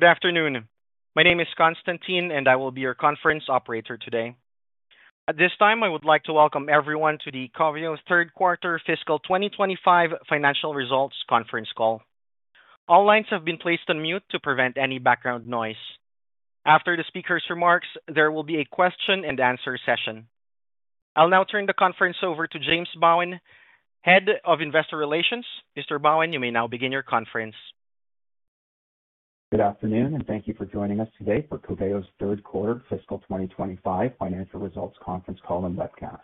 Good afternoon. My name is Konstantin, and I will be your conference operator today. At this time, I would like to welcome everyone to the Coveo Solutions Inc. Third Quarter Fiscal 2025 Financial Results Conference Call. All lines have been placed on mute to prevent any background noise. After the speaker's remarks, there will be a question-and-answer session. I'll now turn the conference over to James Bowen, Head of Investor Relations. Mr. Bowen, you may now begin your conference. Good afternoon, and thank you for joining us today for Coveo Solutions Inc.'s Third Quarter Fiscal 2025 Financial Results Conference Call and Webcast.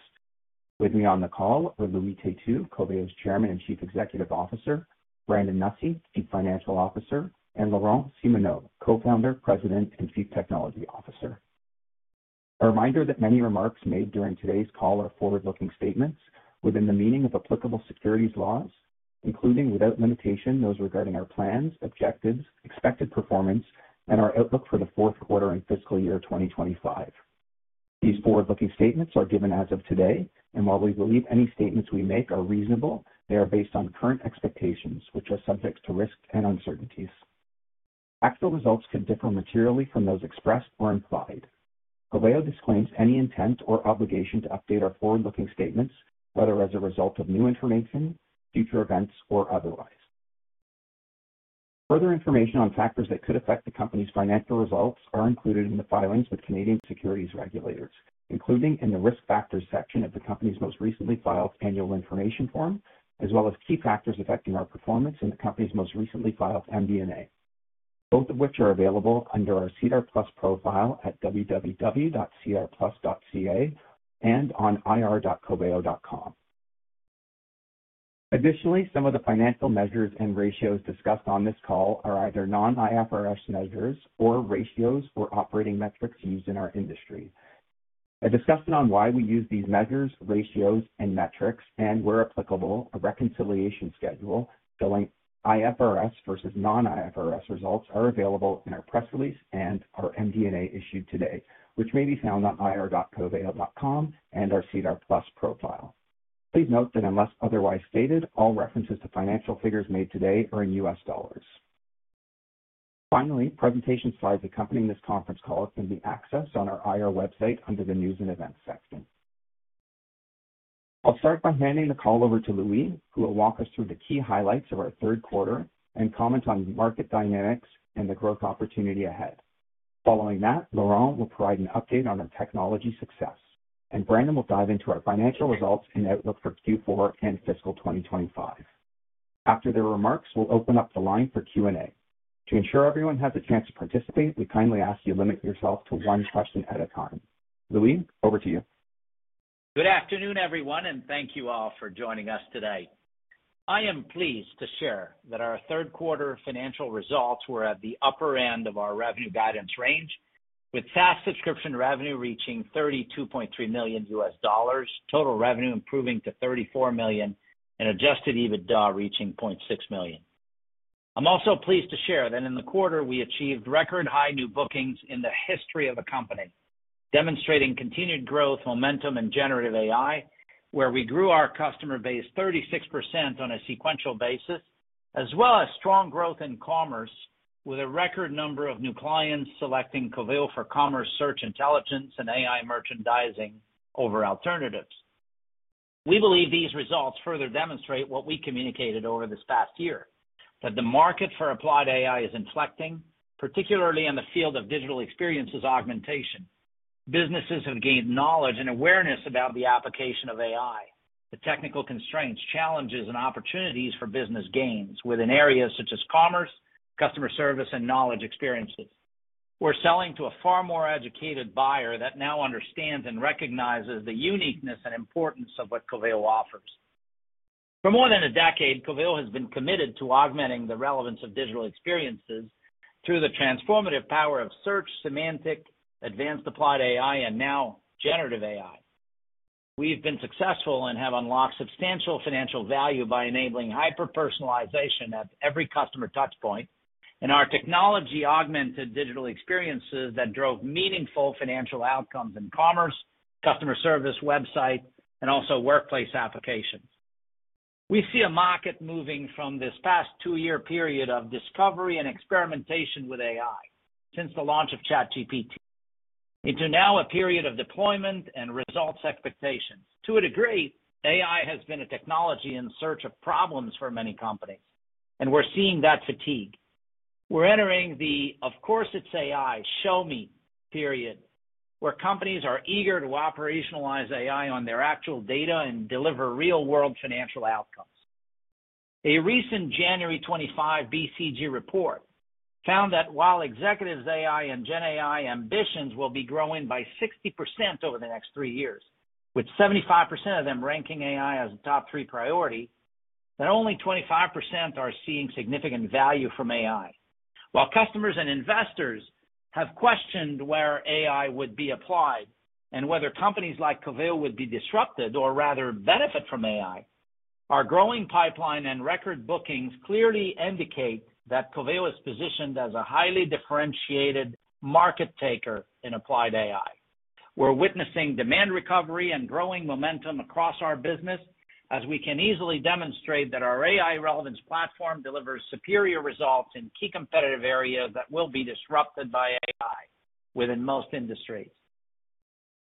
With me on the call are Louis Têtu, Coveo Solutions Inc.'s Chairman and Chief Executive Officer, Brandon Nussey, Chief Financial Officer, and Laurent Simoneau, Co-Founder, President, and Chief Technology Officer. A reminder that many remarks made during today's call are forward-looking statements within the meaning of applicable securities laws, including without limitation those regarding our plans, objectives, expected performance, and our outlook for the fourth quarter and fiscal year 2025. These forward-looking statements are given as of today, and while we believe any statements we make are reasonable, they are based on current expectations, which are subject to risks and uncertainties. Actual results could differ materially from those expressed or implied. Coveo Solutions disclaims any intent or obligation to update our forward-looking statements, whether as a result of new information, future events, or otherwise. Further information on factors that could affect the company's financial results is included in the filings with Canadian securities regulators, including in the risk factors section of the company's most recently filed Annual Information Form, as well as key factors affecting our performance in the company's most recently filed MD&A, both of which are available under our SEDAR+ profile at www.sedarplus.ca and on ir.coveo.com. Additionally, some of the financial measures and ratios discussed on this call are either non-IFRS measures or ratios or operating metrics used in our industry. A discussion on why we use these measures, ratios, and metrics, and where applicable, a reconciliation schedule showing IFRS versus non-IFRS results is available in our press release and our MD&A issued today, which may be found on ir.coveo.com and our SEDAR+ profile. Please note that unless otherwise stated, all references to financial figures made today are in U.S. dollars. Finally, presentation slides accompanying this conference call can be accessed on our IR website under the News and Events section. I'll start by handing the call over to Louis, who will walk us through the key highlights of our third quarter and comment on market dynamics and the growth opportunity ahead. Following that, Laurent will provide an update on our technology success, and Brandon will dive into our financial results and outlook for Q4 and fiscal 2025. After their remarks, we'll open up the line for Q&A. To ensure everyone has a chance to participate, we kindly ask you to limit yourself to one question at a time. Louis, over to you. Good afternoon, everyone, and thank you all for joining us today. I am pleased to share that our third quarter financial results were at the upper end of our revenue guidance range, with SaaS subscription revenue reaching $32.3 million, total revenue improving to $34 million, and Adjusted EBITDA reaching $0.6 million. I'm also pleased to share that in the quarter, we achieved record-high new bookings in the history of a company, demonstrating continued growth momentum in generative AI, where we grew our customer base 36% on a sequential basis, as well as strong growth in commerce, with a record number of new clients selecting Coveo for commerce, search intelligence, and AI merchandising over alternatives. We believe these results further demonstrate what we communicated over this past year: that the market for applied AI is inflecting, particularly in the field of digital experiences augmentation. Businesses have gained knowledge and awareness about the application of AI, the technical constraints, challenges, and opportunities for business gains within areas such as commerce, customer service, and knowledge experiences. We're selling to a far more educated buyer that now understands and recognizes the uniqueness and importance of what Coveo offers. For more than a decade, Coveo has been committed to augmenting the relevance of digital experiences through the transformative power of search, semantic, advanced applied AI, and now generative AI. We've been successful and have unlocked substantial financial value by enabling hyper-personalization at every customer touchpoint, and our technology-augmented digital experiences that drove meaningful financial outcomes in commerce, customer service, website, and also workplace applications. We see a market moving from this past two-year period of discovery and experimentation with AI since the launch of ChatGPT into now a period of deployment and results expectations. To a degree, AI has been a technology in search of problems for many companies, and we're seeing that fatigue. We're entering the "Of course it's AI, show me" period, where companies are eager to operationalize AI on their actual data and deliver real-world financial outcomes. A recent January '25 BCG report found that while executives' AI and GenAI ambitions will be growing by 60% over the next three years, with 75% of them ranking AI as a top three priority, that only 25% are seeing significant value from AI. While customers and investors have questioned where AI would be applied, and whether companies like Coveo would be disrupted or rather benefit from AI, our growing pipeline and record bookings clearly indicate that Coveo is positioned as a highly differentiated market taker in applied AI. We're witnessing demand recovery and growing momentum across our business, as we can easily demonstrate that our AI relevance platform delivers superior results in key competitive areas that will be disrupted by AI within most industries.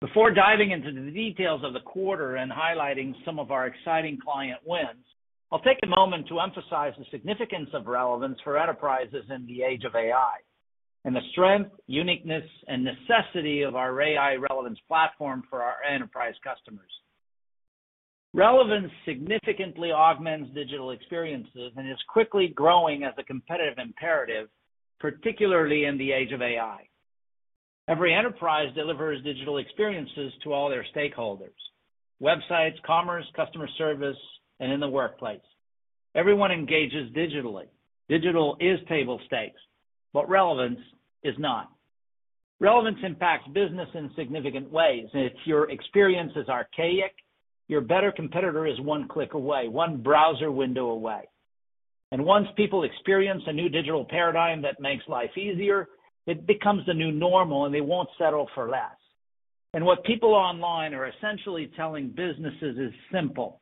Before diving into the details of the quarter and highlighting some of our exciting client wins, I'll take a moment to emphasize the significance of relevance for enterprises in the age of AI, and the strength, uniqueness, and necessity of our AI relevance platform for our enterprise customers. Relevance significantly augments digital experiences and is quickly growing as a competitive imperative, particularly in the age of AI. Every enterprise delivers digital experiences to all their stakeholders: websites, commerce, customer service, and in the workplace. Everyone engages digitally. Digital is table stakes, but relevance is not. Relevance impacts business in significant ways, and if your experience is archaic, your better competitor is one click away, one browser window away. And once people experience a new digital paradigm that makes life easier, it becomes the new normal, and they won't settle for less. And what people online are essentially telling businesses is simple: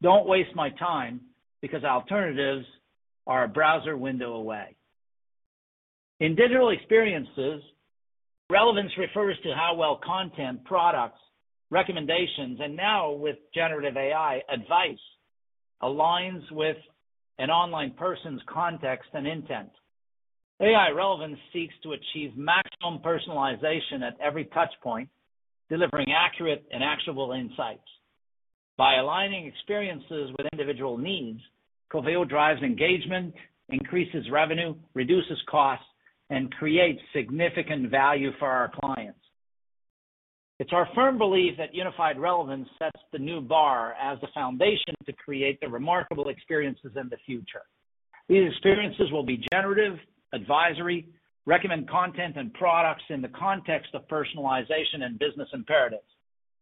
"Don't waste my time because alternatives are a browser window away." In digital experiences, relevance refers to how well content, products, recommendations, and now with generative AI, advice aligns with an online person's context and intent. AI relevance seeks to achieve maximum personalization at every touchpoint, delivering accurate and actionable insights. By aligning experiences with individual needs, Coveo drives engagement, increases revenue, reduces costs, and creates significant value for our clients. It's our firm belief that unified relevance sets the new bar as the foundation to create the remarkable experiences in the future. These experiences will be generative, advisory, recommend content, and products in the context of personalization and business imperatives.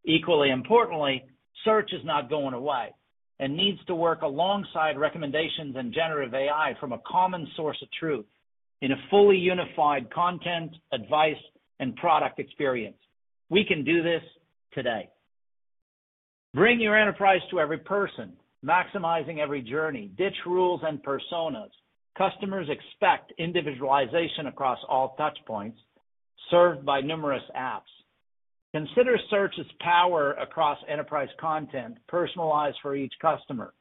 Equally importantly, search is not going away and needs to work alongside recommendations and generative AI from a common source of truth in a fully unified content, advice, and product experience. We can do this today. Bring your enterprise to every person, maximizing every journey, ditch rules and personas. Customers expect individualization across all touchpoints served by numerous apps. Consider search as power across enterprise content, personalized for each customer.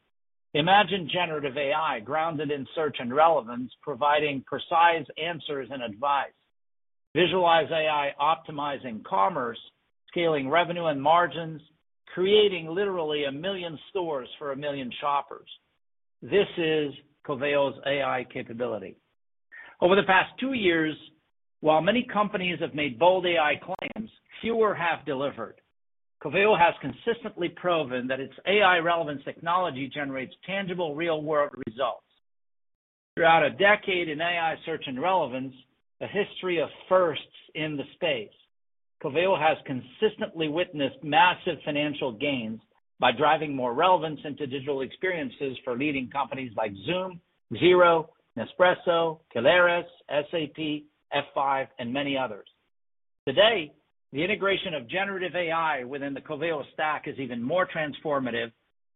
Imagine generative AI grounded in search and relevance, providing precise answers and advice. Visualize AI optimizing commerce, scaling revenue and margins, creating literally a million stores for a million shoppers. This is Coveo's AI capability. Over the past two years, while many companies have made bold AI claims, fewer have delivered. Coveo has consistently proven that its AI relevance technology generates tangible, real-world results. Throughout a decade in AI search and relevance, a history of firsts in the space, Coveo has consistently witnessed massive financial gains by driving more relevance into digital experiences for leading companies like Zoom, Xero, Nespresso, Caleres, SAP, F5, and many others. Today, the integration of generative AI within the Coveo stack is even more transformative,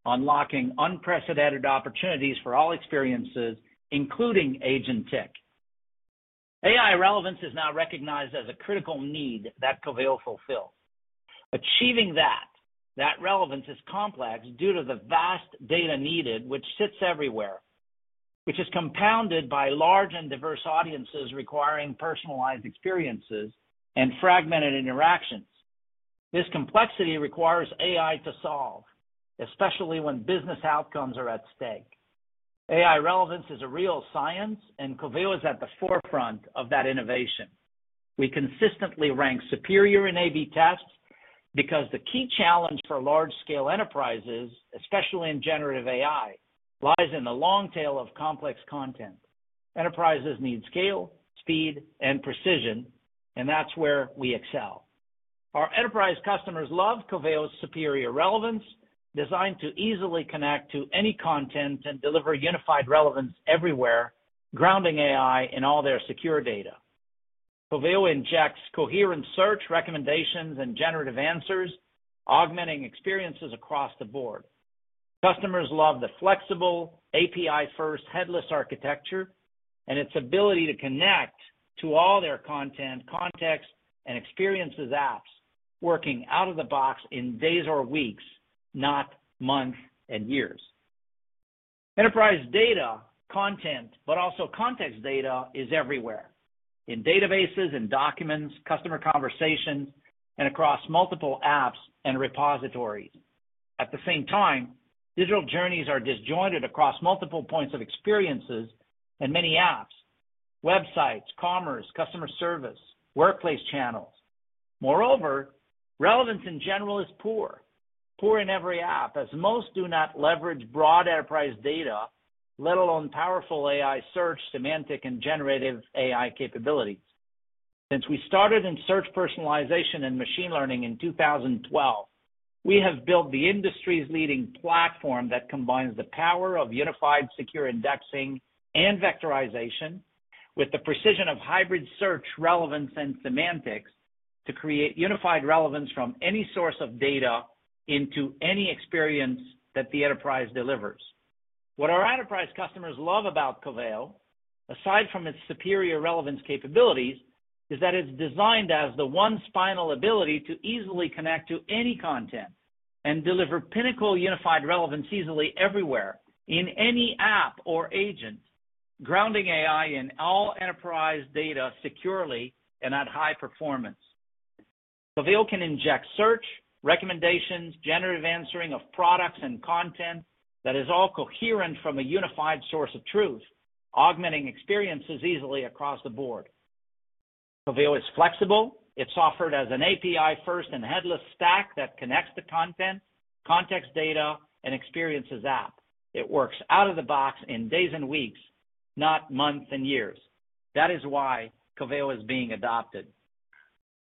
unlocking unprecedented opportunities for all experiences, including agentic. AI relevance is now recognized as a critical need that Coveo fulfills. Achieving that, that relevance is complex due to the vast data needed, which sits everywhere, which is compounded by large and diverse audiences requiring personalized experiences and fragmented interactions. This complexity requires AI to solve, especially when business outcomes are at stake. AI relevance is a real science, and Coveo is at the forefront of that innovation. We consistently rank superior in A/B tests because the key challenge for large-scale enterprises, especially in generative AI, lies in the long tail of complex content. Enterprises need scale, speed, and precision, and that's where we excel. Our enterprise customers love Coveo's superior relevance, designed to easily connect to any content and deliver unified relevance everywhere, grounding AI in all their secure data. Coveo injects coherent search recommendations and generative answers, augmenting experiences across the board. Customers love the flexible, API-first, headless architecture and its ability to connect to all their content, context, and experiences apps, working out of the box in days or weeks, not months and years. Enterprise data, content, but also context data is everywhere: in databases and documents, customer conversations, and across multiple apps and repositories. At the same time, digital journeys are disjointed across multiple points of experiences and many apps: websites, commerce, customer service, workplace channels. Moreover, relevance in general is poor, poor in every app, as most do not leverage broad enterprise data, let alone powerful AI search, semantic, and generative AI capabilities. Since we started in search personalization and machine learning in 2012, we have built the industry's leading platform that combines the power of unified secure indexing and vectorization with the precision of hybrid search relevance and semantics to create unified relevance from any source of data into any experience that the enterprise delivers. What our enterprise customers love about Coveo, aside from its superior relevance capabilities, is that it's designed as the one final ability to easily connect to any content and deliver pinnacle unified relevance easily everywhere in any app or agent, grounding AI in all enterprise data securely and at high performance. Coveo can inject search, recommendations, generative answering of products and content that is all coherent from a unified source of truth, augmenting experiences easily across the board. Coveo is flexible. It's offered as an API-first and headless stack that connects the content, context data, and experiences app. It works out of the box in days and weeks, not months and years. That is why Coveo is being adopted.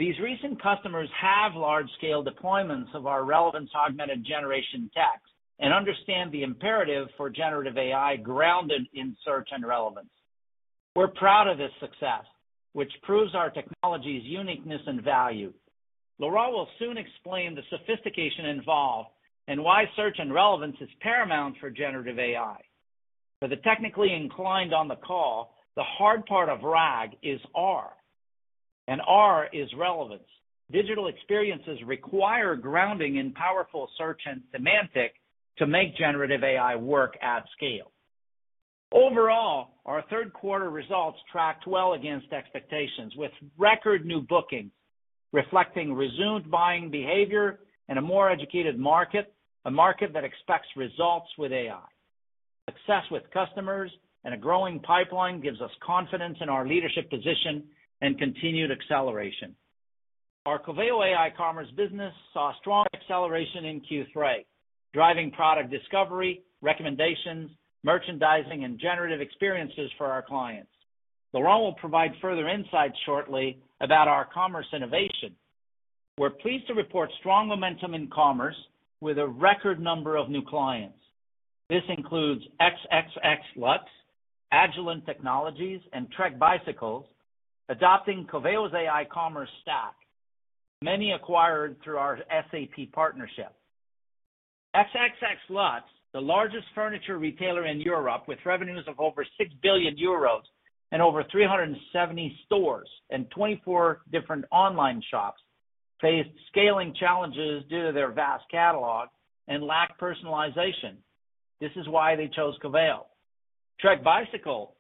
These recent customers have large-scale deployments of our relevance augmented generation tech and understand the imperative for generative AI grounded in search and relevance. We're proud of this success, which proves our technology's uniqueness and value. Laurent will soon explain the sophistication involved and why search and relevance is paramount for generative AI. For the technically inclined on the call, the hard part of RAG is R, and R is relevance. Digital experiences require grounding in powerful search and semantic to make generative AI work at scale. Overall, our third quarter results tracked well against expectations, with record new bookings reflecting resumed buying behavior and a more educated market, a market that expects results with AI. Success with customers and a growing pipeline gives us confidence in our leadership position and continued acceleration. Our Coveo AI commerce business saw strong acceleration in Q3, driving product discovery, recommendations, merchandising, and generative experiences for our clients. Laurent will provide further insights shortly about our commerce innovation. We're pleased to report strong momentum in commerce with a record number of new clients. This includes XXXLutz, Agilent Technologies, and Trek Bicycle, adopting Coveo's AI commerce stack, many acquired through our SAP partnership. XXXLutz, the largest furniture retailer in Europe with revenues of over 6 billion euros and over 370 stores and 24 different online shops, faced scaling challenges due to their vast catalog and lack of personalization. This is why they chose Coveo. Trek Bicycle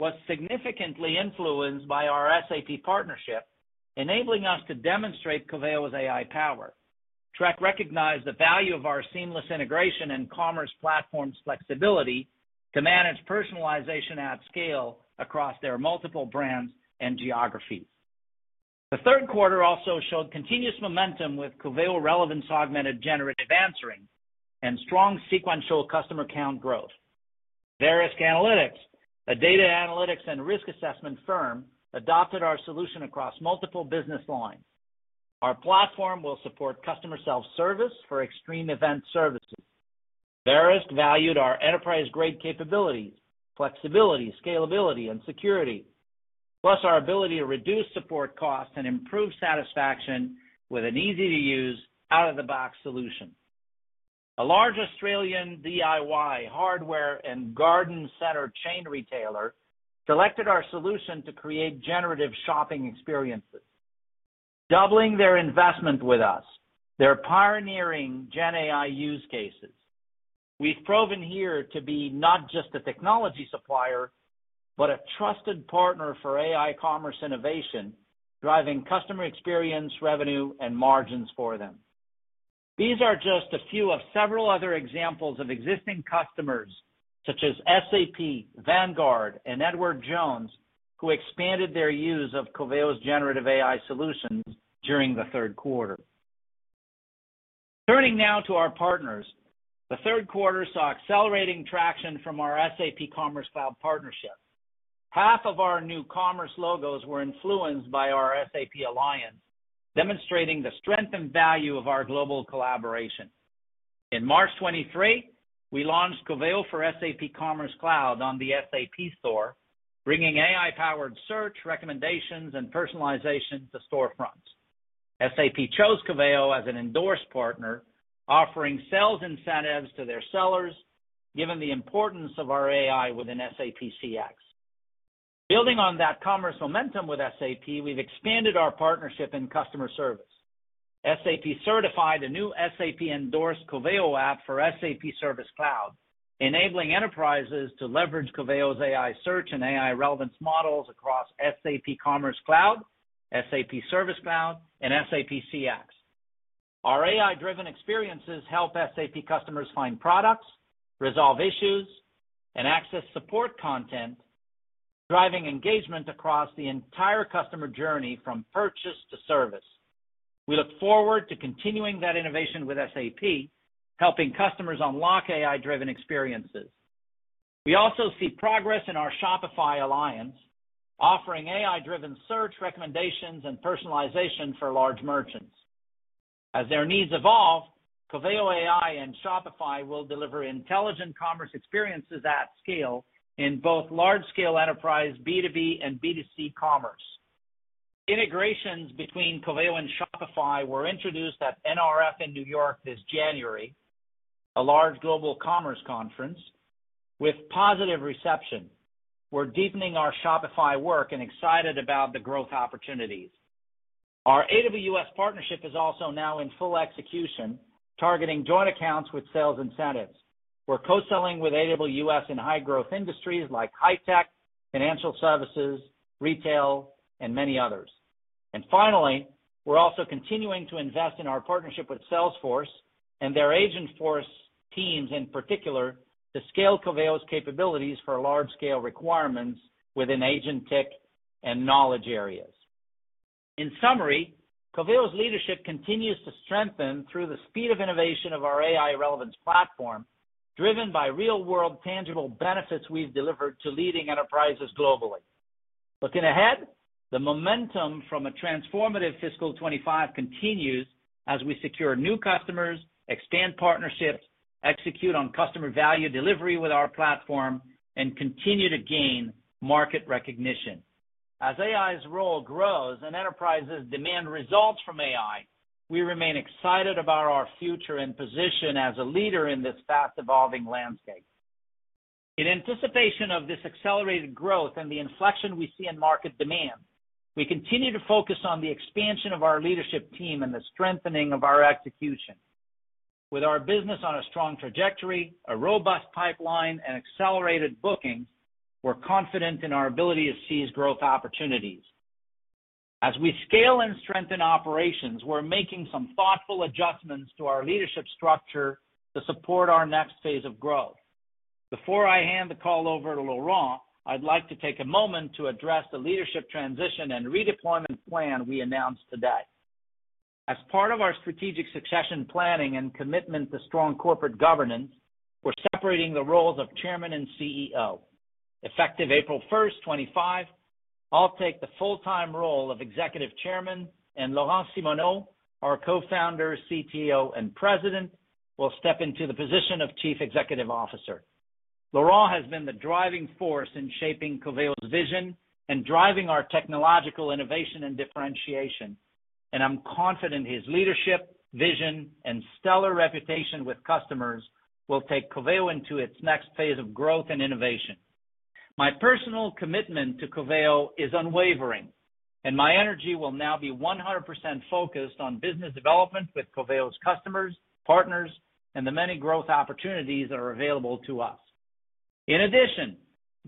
was significantly influenced by our SAP partnership, enabling us to demonstrate Coveo's AI power. Trek recognized the value of our seamless integration and commerce platform's flexibility to manage personalization at scale across their multiple brands and geographies. The third quarter also showed continuous momentum with Coveo Relevance Augmented Generative Answering and strong sequential customer count growth. Verisk Analytics, a data analytics and risk assessment firm, adopted our solution across multiple business lines. Our platform will support customer self-service for extreme event services. Verisk valued our enterprise-grade capabilities, flexibility, scalability, and security, plus our ability to reduce support costs and improve satisfaction with an easy-to-use, out-of-the-box solution. A large Australian DIY hardware and garden center chain retailer selected our solution to create generative shopping experiences, doubling their investment with us. They're pioneering GenAI use cases. We've proven here to be not just a technology supplier, but a trusted partner for AI commerce innovation, driving customer experience, revenue, and margins for them. These are just a few of several other examples of existing customers such as SAP, Vanguard, and Edward Jones, who expanded their use of Coveo's generative AI solutions during the third quarter. Turning now to our partners, the third quarter saw accelerating traction from our SAP Commerce Cloud partnership. Half of our new commerce logos were influenced by our SAP Alliance, demonstrating the strength and value of our global collaboration. In March 2023, we launched Coveo for SAP Commerce Cloud on the SAP Store, bringing AI-powered search recommendations and personalization to storefronts. SAP chose Coveo as an endorsed partner, offering sales incentives to their sellers, given the importance of our AI within SAP CX. Building on that commerce momentum with SAP, we've expanded our partnership in customer service. SAP certified a new SAP-endorsed Coveo app for SAP Service Cloud, enabling enterprises to leverage Coveo's AI search and AI relevance models across SAP Commerce Cloud, SAP Service Cloud, and SAP CX. Our AI-driven experiences help SAP customers find products, resolve issues, and access support content, driving engagement across the entire customer journey from purchase to service. We look forward to continuing that innovation with SAP, helping customers unlock AI-driven experiences. We also see progress in our Shopify Alliance, offering AI-driven search recommendations and personalization for large merchants. As their needs evolve, Coveo AI and Shopify will deliver intelligent commerce experiences at scale in both large-scale enterprise, B2B, and B2C commerce. Integrations between Coveo and Shopify were introduced at NRF in New York this January, a large global commerce conference, with positive reception. We're deepening our Shopify work and excited about the growth opportunities. Our AWS partnership is also now in full execution, targeting joint accounts with sales incentives. We're co-selling with AWS in high-growth industries like high-tech, financial services, retail, and many others. Finally, we're also continuing to invest in our partnership with Salesforce and their Agentforce teams in particular to scale Coveo's capabilities for large-scale requirements within agentic and knowledge areas. In summary, Coveo's leadership continues to strengthen through the speed of innovation of our AI relevance platform, driven by real-world tangible benefits we've delivered to leading enterprises globally. Looking ahead, the momentum from a transformative fiscal 2025 continues as we secure new customers, expand partnerships, execute on customer value delivery with our platform, and continue to gain market recognition. As AI's role grows and enterprises demand results from AI, we remain excited about our future and position as a leader in this fast-evolving landscape. In anticipation of this accelerated growth and the inflection we see in market demand, we continue to focus on the expansion of our leadership team and the strengthening of our execution. With our business on a strong trajectory, a robust pipeline, and accelerated bookings, we're confident in our ability to seize growth opportunities. As we scale and strengthen operations, we're making some thoughtful adjustments to our leadership structure to support our next phase of growth. Before I hand the call over to Laurent, I'd like to take a moment to address the leadership transition and redeployment plan we announced today. As part of our strategic succession planning and commitment to strong corporate governance, we're separating the roles of Chairman and CEO. Effective April 1st, 2025, I'll take the full-time role of Executive Chairman, and Laurent Simoneau, our co-founder, CTO, and president, will step into the position of Chief Executive Officer. Laurent has been the driving force in shaping Coveo's vision and driving our technological innovation and differentiation, and I'm confident his leadership, vision, and stellar reputation with customers will take Coveo into its next phase of growth and innovation. My personal commitment to Coveo is unwavering, and my energy will now be 100% focused on business development with Coveo's customers, partners, and the many growth opportunities that are available to us. In addition,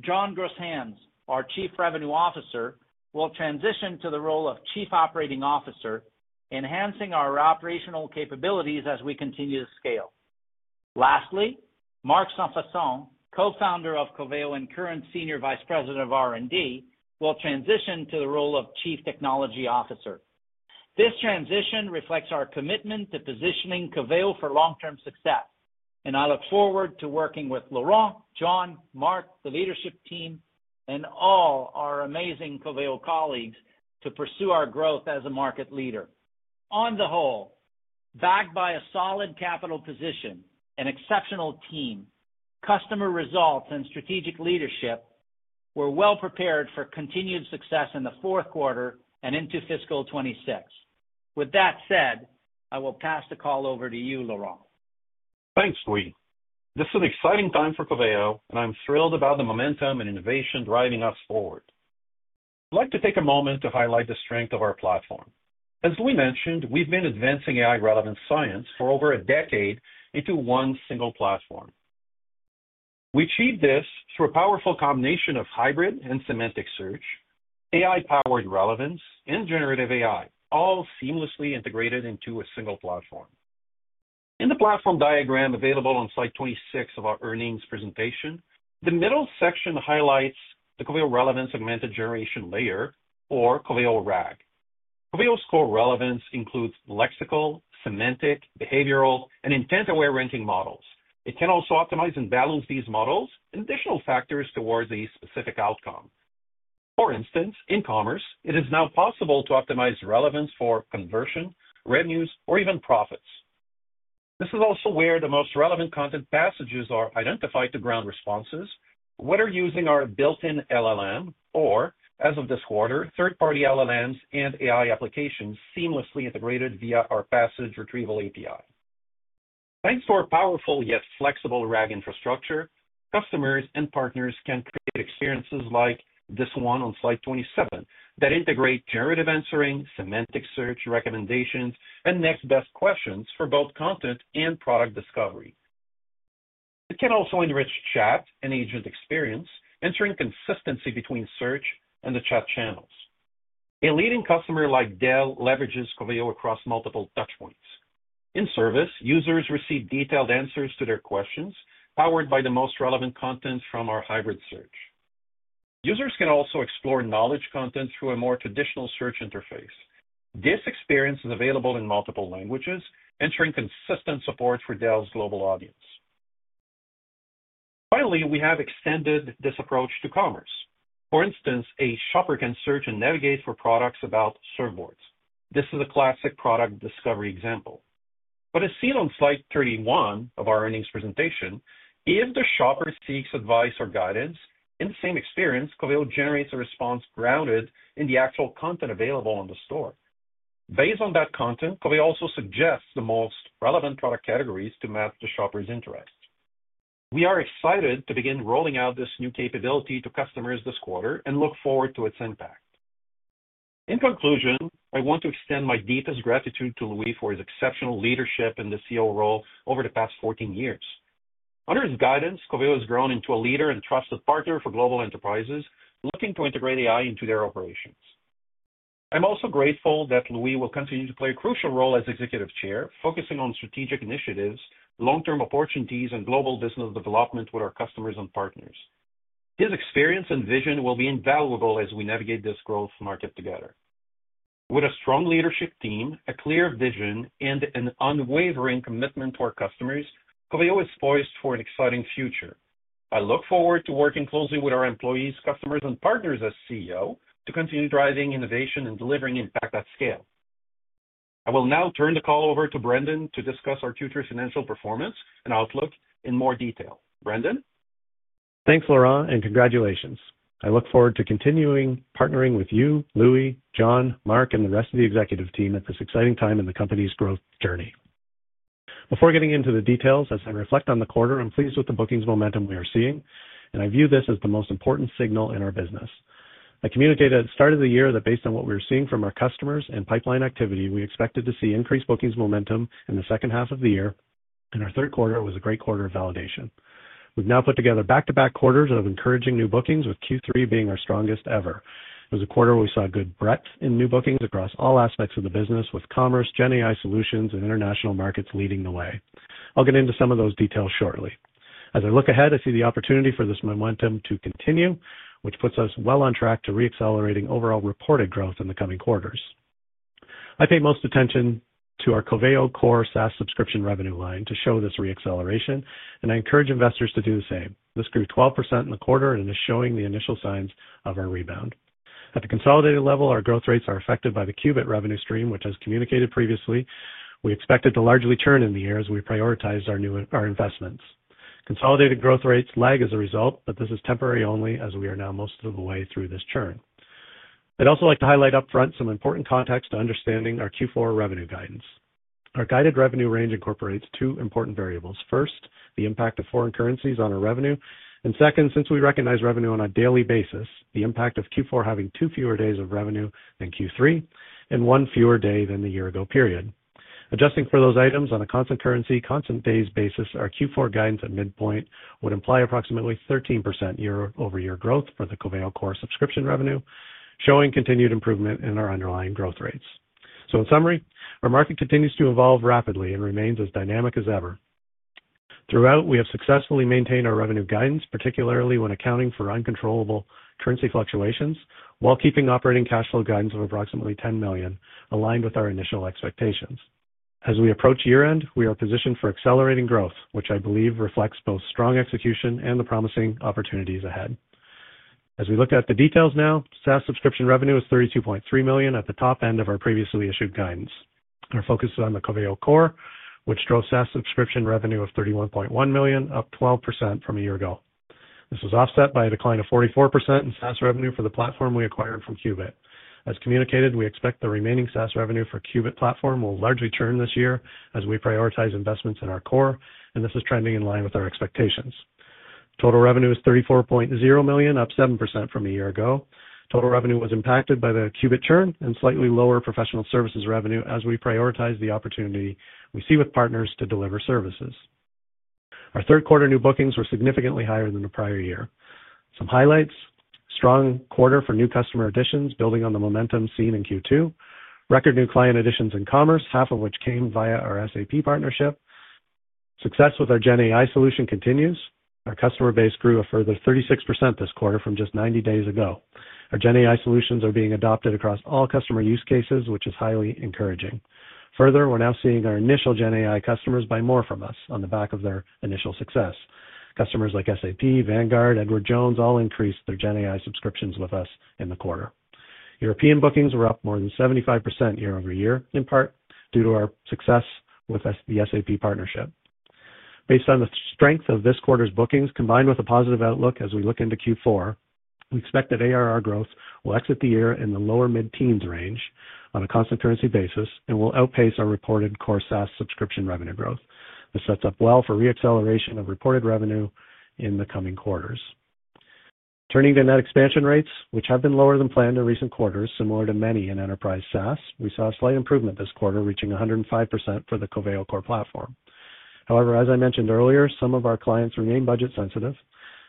John Grosshans, our Chief Revenue Officer, will transition to the role of Chief Operating Officer, enhancing our operational capabilities as we continue to scale. Lastly, Marc Sanfaçon, co-founder of Coveo and current Senior Vice President of R&D, will transition to the role of Chief Technology Officer. This transition reflects our commitment to positioning Coveo for long-term success, and I look forward to working with Laurent, John, Marc, the leadership team, and all our amazing Coveo colleagues to pursue our growth as a market leader. On the whole, backed by a solid capital position, an exceptional team, customer results, and strategic leadership, we're well prepared for continued success in the fourth quarter and into fiscal 2026. With that said, I will pass the call over to you, Laurent. Thanks, Louis. This is an exciting time for Coveo, and I'm thrilled about the momentum and innovation driving us forward. I'd like to take a moment to highlight the strength of our platform. As Louis mentioned, we've been advancing AI relevance science for over a decade into one single platform. We achieved this through a powerful combination of hybrid and semantic search, AI-powered relevance, and generative AI, all seamlessly integrated into a single platform. In the platform diagram available on slide 26 of our earnings presentation, the middle section highlights the Coveo relevance augmented generation layer, or Coveo RAG. Coveo's core relevance includes lexical, semantic, behavioral, and intent-aware ranking models. It can also optimize and balance these models and additional factors toward a specific outcome. For instance, in commerce, it is now possible to optimize relevance for conversion, revenues, or even profits. This is also where the most relevant content passages are identified to ground responses, whether using our built-in LLM or, as of this quarter, third-party LLMs and AI applications seamlessly integrated via our Passage Retrieval API. Thanks to our powerful yet flexible RAG infrastructure, customers and partners can create experiences like this one on slide 27 that integrate generative answering, semantic search, recommendations, and next best questions for both content and product discovery. It can also enrich chat and agent experience, ensuring consistency between search and the chat channels. A leading customer like Dell leverages Coveo across multiple touchpoints. In service, users receive detailed answers to their questions, powered by the most relevant content from our hybrid search. Users can also explore knowledge content through a more traditional search interface. This experience is available in multiple languages, ensuring consistent support for Dell's global audience. Finally, we have extended this approach to commerce. For instance, a shopper can search and navigate for products about surfboards. This is a classic product discovery example. But as seen on slide 31 of our earnings presentation, if the shopper seeks advice or guidance, in the same experience, Coveo generates a response grounded in the actual content available in the store. Based on that content, Coveo also suggests the most relevant product categories to match the shopper's interests. We are excited to begin rolling out this new capability to customers this quarter and look forward to its impact. In conclusion, I want to extend my deepest gratitude to Louis for his exceptional leadership in the CEO role over the past 14 years. Under his guidance, Coveo has grown into a leader and trusted partner for global enterprises looking to integrate AI into their operations. I'm also grateful that Louis will continue to play a crucial role as executive chair, focusing on strategic initiatives, long-term opportunities, and global business development with our customers and partners. His experience and vision will be invaluable as we navigate this growth market together. With a strong leadership team, a clear vision, and an unwavering commitment to our customers, Coveo is poised for an exciting future. I look forward to working closely with our employees, customers, and partners as CEO to continue driving innovation and delivering impact at scale. I will now turn the call over to Brandon to discuss our future financial performance and outlook in more detail. Brandon? Thanks, Laurent, and congratulations. I look forward to continuing partnering with you, Louis, John, Marc, and the rest of the executive team at this exciting time in the company's growth journey. Before getting into the details, as I reflect on the quarter, I'm pleased with the bookings momentum we are seeing, and I view this as the most important signal in our business. I communicated at the start of the year that based on what we were seeing from our customers and pipeline activity, we expected to see increased bookings momentum in the second half of the year, and our third quarter was a great quarter of validation. We've now put together back-to-back quarters of encouraging new bookings, with Q3 being our strongest ever. It was a quarter where we saw good breadth in new bookings across all aspects of the business, with commerce, GenAI solutions, and international markets leading the way. I'll get into some of those details shortly. As I look ahead, I see the opportunity for this momentum to continue, which puts us well on track to re-accelerating overall reported growth in the coming quarters. I pay most attention to our Coveo Core SaaS subscription revenue line to show this re-acceleration, and I encourage investors to do the same. This grew 12% in the quarter and is showing the initial signs of our rebound. At the consolidated level, our growth rates are affected by the Qubit revenue stream, which, as communicated previously, we expected to largely churn in the year as we prioritize our investments. Consolidated growth rates lag as a result, but this is temporary only as we are now most of the way through this churn. I'd also like to highlight upfront some important context to understanding our Q4 revenue guidance. Our guided revenue range incorporates two important variables. First, the impact of foreign currencies on our revenue, and second, since we recognize revenue on a daily basis, the impact of Q4 having two fewer days of revenue than Q3 and one fewer day than the year-ago period. Adjusting for those items on a constant currency, constant days basis, our Q4 guidance at midpoint would imply approximately 13% year-over-year growth for the Coveo Core subscription revenue, showing continued improvement in our underlying growth rates. So, in summary, our market continues to evolve rapidly and remains as dynamic as ever. Throughout, we have successfully maintained our revenue guidance, particularly when accounting for uncontrollable currency fluctuations, while keeping operating cash flow guidance of approximately $10 million aligned with our initial expectations. As we approach year-end, we are positioned for accelerating growth, which I believe reflects both strong execution and the promising opportunities ahead. As we look at the details now, SaaS subscription revenue is $32.3 million at the top end of our previously issued guidance. Our focus is on the Coveo Core, which drove SaaS subscription revenue of $31.1 million, up 12% from a year ago. This was offset by a decline of 44% in SaaS revenue for the platform we acquired from Qubit. As communicated, we expect the remaining SaaS revenue for Qubit platform will largely churn this year as we prioritize investments in our core, and this is trending in line with our expectations. Total revenue is $34.0 million, up 7% from a year ago. Total revenue was impacted by the Qubit churn and slightly lower professional services revenue as we prioritize the opportunity we see with partners to deliver services. Our third quarter new bookings were significantly higher than the prior year. Some highlights: strong quarter for new customer additions, building on the momentum seen in Q2. Record new client additions in commerce, half of which came via our SAP partnership. Success with our GenAI solution continues. Our customer base grew a further 36% this quarter from just 90 days ago. Our GenAI solutions are being adopted across all customer use cases, which is highly encouraging. Further, we're now seeing our initial GenAI customers buy more from us on the back of their initial success. Customers like SAP, Vanguard, Edward Jones all increased their GenAI subscriptions with us in the quarter. European bookings were up more than 75% year-over-year, in part due to our success with the SAP partnership. Based on the strength of this quarter's bookings, combined with a positive outlook as we look into Q4, we expect that ARR growth will exit the year in the lower mid-teens range on a constant currency basis and will outpace our reported core SaaS subscription revenue growth. This sets up well for re-acceleration of reported revenue in the coming quarters. Turning to net expansion rates, which have been lower than planned in recent quarters, similar to many in enterprise SaaS, we saw a slight improvement this quarter reaching 105% for the Coveo Core platform. However, as I mentioned earlier, some of our clients remain budget-sensitive.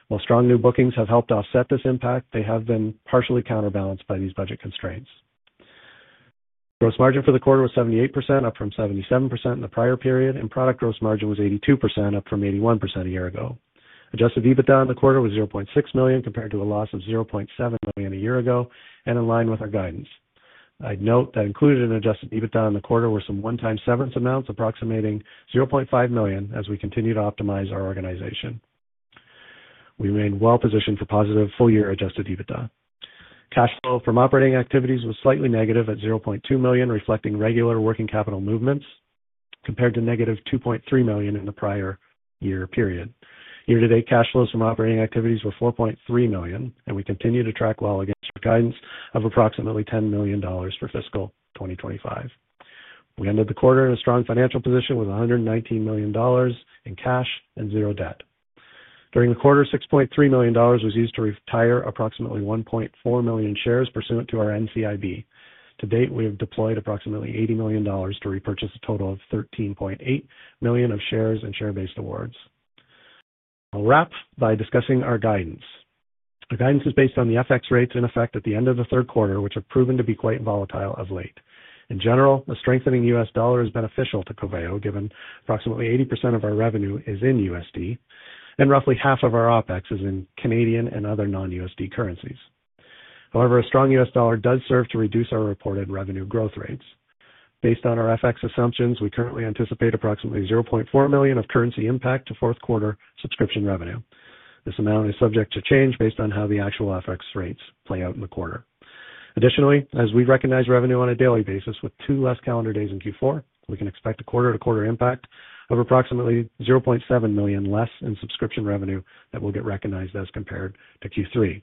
While strong new bookings have helped offset this impact, they have been partially counterbalanced by these budget constraints. Gross margin for the quarter was 78%, up from 77% in the prior period, and product gross margin was 82%, up from 81% a year ago. Adjusted EBITDA in the quarter was $0.6 million compared to a loss of $0.7 million a year ago and in line with our guidance. I'd note that included in Adjusted EBITDA in the quarter were some one-time severance amounts approximating $0.5 million as we continue to optimize our organization. We remain well positioned for positive full-year Adjusted EBITDA. Cash flow from operating activities was slightly negative at $0.2 million, reflecting regular working capital movements compared to negative $2.3 million in the prior year period. Year-to-date cash flows from operating activities were $4.3 million, and we continue to track well against our guidance of approximately $10 million for fiscal 2025. We ended the quarter in a strong financial position with $119 million in cash and zero debt. During the quarter, $6.3 million was used to retire approximately 1.4 million shares pursuant to our NCIB. To date, we have deployed approximately $80 million to repurchase a total of 13.8 million of shares and share-based awards. I'll wrap by discussing our guidance. Our guidance is based on the FX rates in effect at the end of the third quarter, which have proven to be quite volatile of late. In general, a strengthening U.S. dollar is beneficial to Coveo given approximately 80% of our revenue is in USD and roughly half of our OPEX is in Canadian and other non-USD currencies. However, a strong U.S. dollar does serve to reduce our reported revenue growth rates. Based on our FX assumptions, we currently anticipate approximately $0.4 million of currency impact to fourth quarter subscription revenue. This amount is subject to change based on how the actual FX rates play out in the quarter. Additionally, as we recognize revenue on a daily basis with two less calendar days in Q4, we can expect a quarter-to-quarter impact of approximately $0.7 million less in subscription revenue that will get recognized as compared to Q3.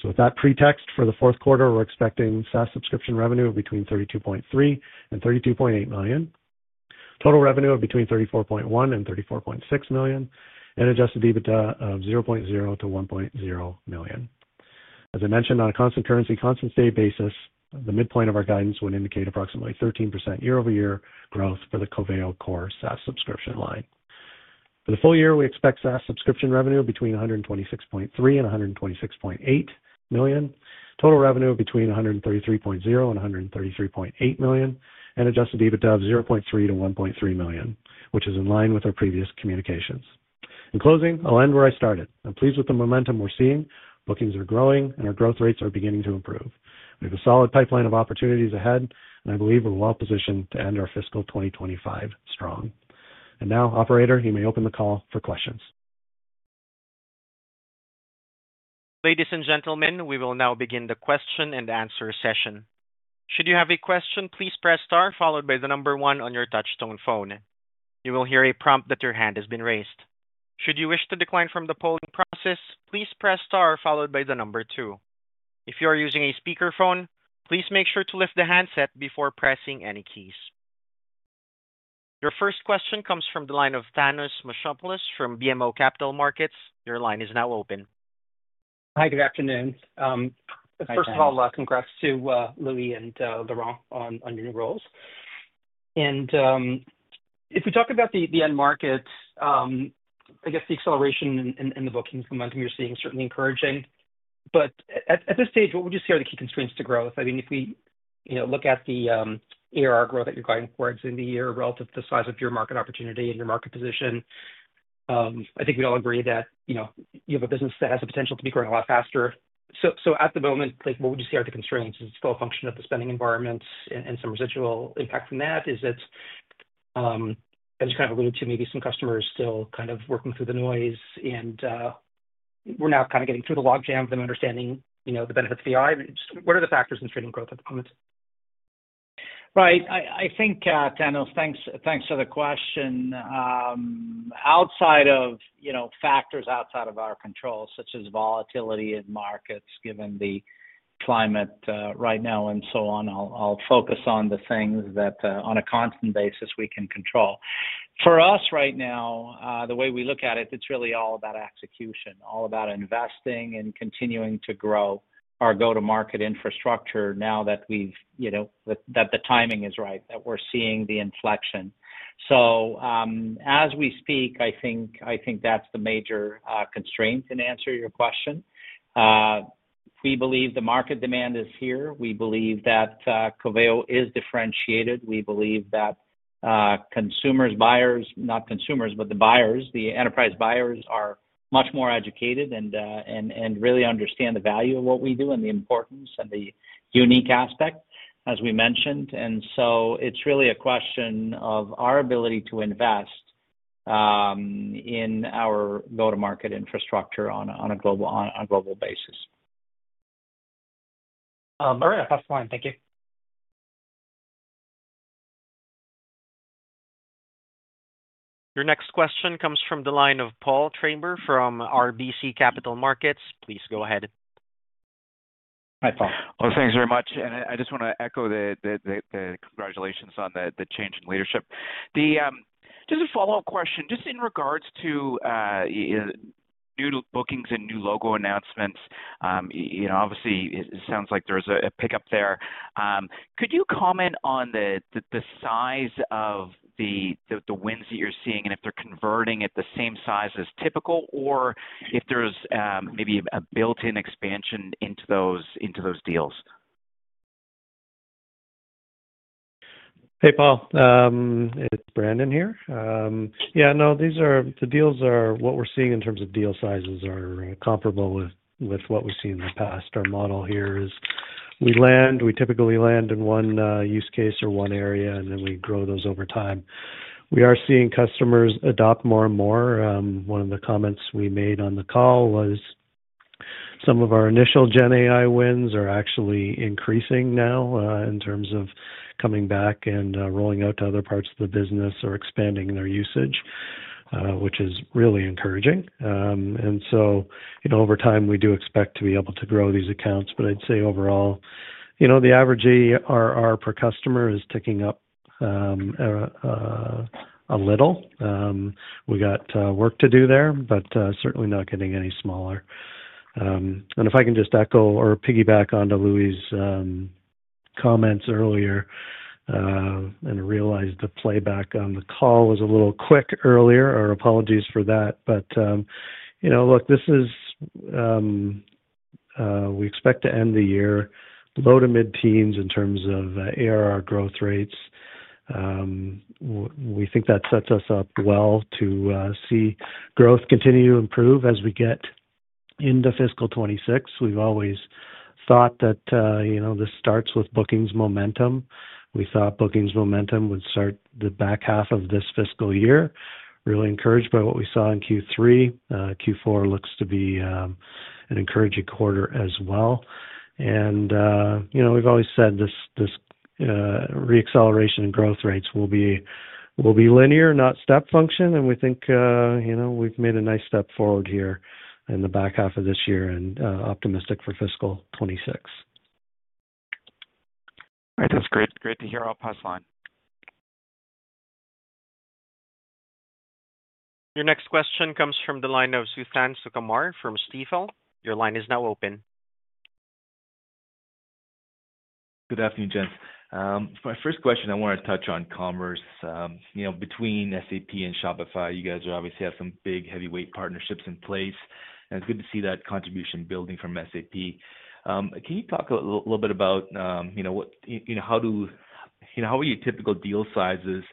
So, with that pretext for the fourth quarter, we're expecting SaaS subscription revenue of between $32.3 million and $32.8 million, total revenue of between $34.1 million and $34.6 million, and Adjusted EBITDA of $0.0 million to $1.0 million. As I mentioned, on a constant currency constant day basis, the midpoint of our guidance would indicate approximately 13% year-over-year growth for the Coveo Core SaaS subscription line. For the full year, we expect SaaS subscription revenue between $126.3 million and $126.8 million, total revenue between $133.0 million and $133.8 million, and Adjusted EBITDA of $0.3 million-$1.3 million, which is in line with our previous communications. In closing, I'll end where I started. I'm pleased with the momentum we're seeing. Bookings are growing, and our growth rates are beginning to improve. We have a solid pipeline of opportunities ahead, and I believe we're well positioned to end our fiscal 2025 strong, and now, Operator, you may open the call for questions. Ladies and gentlemen, we will now begin the question and answer session. Should you have a question, please press star followed by the number one on your touch-tone phone. You will hear a prompt that your hand has been raised. Should you wish to decline from the polling process, please press star followed by the number two. If you are using a speakerphone, please make sure to lift the handset before pressing any keys. Your first question comes from the line of Thanos Moschopoulos from BMO Capital Markets. Your line is now open. Hi, good afternoon. First of all, congrats to Louis and Laurent on your new roles. And if we talk about the end market, I guess the acceleration in the bookings momentum you're seeing is certainly encouraging. But at this stage, what would you say are the key constraints to growth? I mean, if we look at the ARR growth that you're guiding towards in the year relative to the size of your market opportunity and your market position, I think we all agree that you have a business that has the potential to be growing a lot faster. So, at the moment, what would you say are the constraints? Is it still a function of the spending environment and some residual impact from that? Is it, as you kind of alluded to, maybe some customers still kind of working through the noise, and we're now kind of getting through the log jam of them understanding the benefits of AI? What are the factors in trailing growth at the moment? Right. I think, Thanos, thanks for the question. Outside of factors outside of our control, such as volatility in markets given the climate right now and so on, I'll focus on the things that, on a constant basis, we can control. For us right now, the way we look at it, it's really all about execution, all about investing and continuing to grow our go-to-market infrastructure now that we've—that the timing is right, that we're seeing the inflection. So, as we speak, I think that's the major constraint in answering your question. We believe the market demand is here. We believe that Coveo is differentiated. We believe that consumers, buyers—not consumers, but the buyers, the enterprise buyers—are much more educated and really understand the value of what we do and the importance and the unique aspect, as we mentioned. And so, it's really a question of our ability to invest in our go-to-market infrastructure on a global basis. All right. That's fine. Thank you. Your next question comes from the line of Paul Treiber from RBC Capital Markets. Please go ahead. Hi, Paul. Well, thanks very much. And I just want to echo the congratulations on the change in leadership. Just a follow-up question, just in regards to new bookings and new logo announcements, obviously, it sounds like there's a pickup there. Could you comment on the size of the wins that you're seeing and if they're converting at the same size as typical or if there's maybe a built-in expansion into those deals? Hey, Paul. It's Brandon here. Yeah, no, the deals are—what we're seeing in terms of deal sizes are comparable with what we've seen in the past. Our model here is we land—we typically land in one use case or one area, and then we grow those over time. We are seeing customers adopt more and more. One of the comments we made on the call was some of our initial GenAI wins are actually increasing now in terms of coming back and rolling out to other parts of the business or expanding their usage, which is really encouraging, and so, over time, we do expect to be able to grow these accounts, but I'd say overall, the average ARR per customer is ticking up a little. We got work to do there, but certainly not getting any smaller. And if I can just echo or piggyback onto Louis' comments earlier and realize the playback on the call was a little quick earlier, our apologies for that. But look, this is. We expect to end the year low to mid-teens in terms of ARR growth rates. We think that sets us up well to see growth continue to improve as we get into fiscal 2026. We've always thought that this starts with bookings momentum. We thought bookings momentum would start the back half of this fiscal year. Really encouraged by what we saw in Q3. Q4 looks to be an encouraging quarter as well. And we've always said this re-acceleration in growth rates will be linear, not step function. And we think we've made a nice step forward here in the back half of this year and optimistic for fiscal 2026. All right. That's great. Great to hear. I'll pass on. Your next question comes from the line of Suthan Sukumar from Stifel. Your line is now open. Good afternoon, gents. For my first question, I want to touch on commerce. Between SAP and Shopify, you guys obviously have some big heavyweight partnerships in place. And it's good to see that contribution building from SAP. Can you talk a little bit about how are your typical deal sizes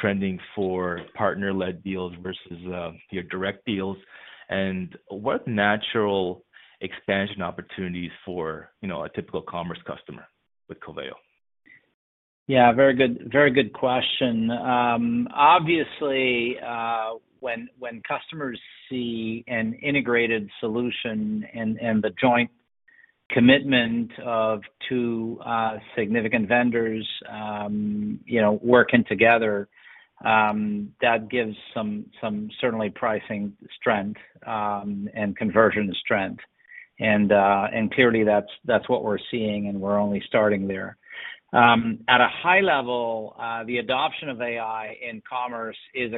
trending for partner-led deals versus your direct deals? And what are the natural expansion opportunities for a typical commerce customer with Coveo? Yeah, very good question. Obviously, when customers see an integrated solution and the joint commitment of two significant vendors working together, that gives some certainty pricing strength and conversion strength. And clearly, that's what we're seeing, and we're only starting there. At a high level, the adoption of AI in commerce is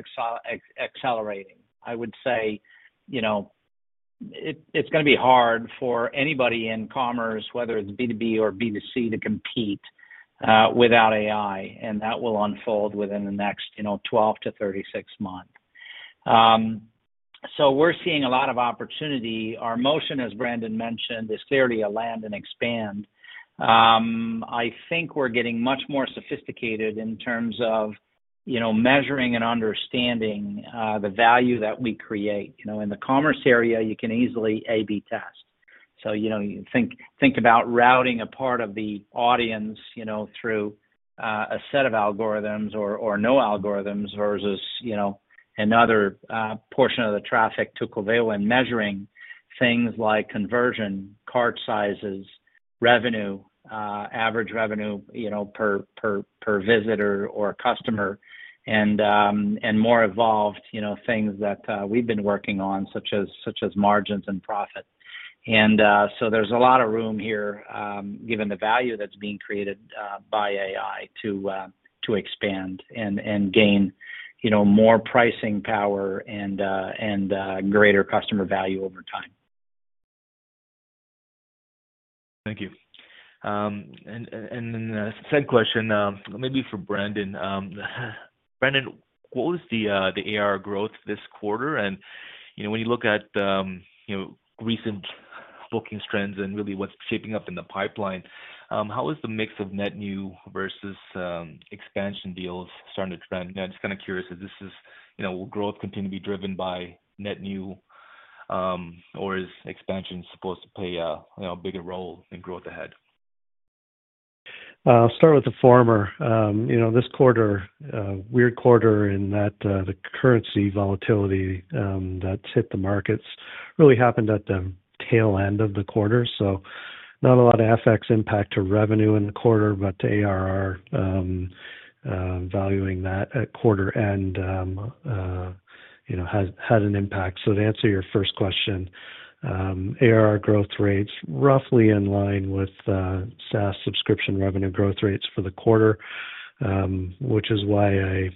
accelerating. I would say it's going to be hard for anybody in commerce, whether it's B2B or B2C, to compete without AI, and that will unfold within the next 12-36 months, so we're seeing a lot of opportunity. Our motion, as Brandon mentioned, is clearly a land and expand. I think we're getting much more sophisticated in terms of measuring and understanding the value that we create. In the commerce area, you can easily A/B test, so think about routing a part of the audience through a set of algorithms or no algorithms versus another portion of the traffic to Coveo and measuring things like conversion, cart sizes, revenue, average revenue per visitor or customer, and more evolved things that we've been working on, such as margins and profit. And so there's a lot of room here, given the value that's being created by AI, to expand and gain more pricing power and greater customer value over time. Thank you. And then the second question, maybe for Brandon. Brandon, what was the ARR growth this quarter? And when you look at recent bookings trends and really what's shaping up in the pipeline, how is the mix of net new versus expansion deals starting to trend? I'm just kind of curious, is this growth continuing to be driven by net new, or is expansion supposed to play a bigger role in growth ahead? I'll start with the former. This quarter, weird quarter in that the currency volatility that's hit the markets really happened at the tail end of the quarter. Not a lot of FX impact to revenue in the quarter, but ARR, valuing that at quarter end, had an impact. To answer your first question, ARR growth rates roughly in line with SaaS subscription revenue growth rates for the quarter, which is why I